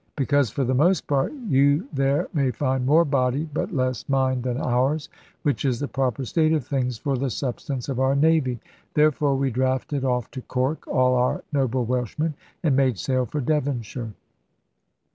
Because for the most part, you there may find more body but less mind than ours, which is the proper state of things for the substance of our Navy. Therefore we drafted off to Cork all our noble Welshmen, and made sail for Devonshire.